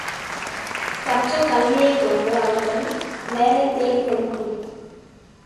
கற்றக் கல்வியைக் கொண்டு அவர்கள் வேலை தேடிக் கொள்ள முடியும்.